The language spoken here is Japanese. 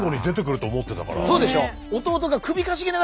そうでしょ？